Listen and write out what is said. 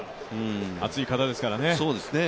熱い方ですからね。